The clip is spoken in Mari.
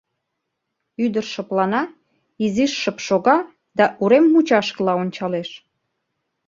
Ӱдыр шыплана, изиш шып шога да урем мучашкыла ончалеш.